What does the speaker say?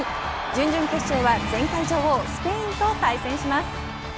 準々決勝は前回女王スペインと対戦します。